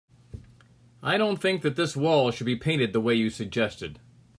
I don't think this wall should be painted the way you suggested.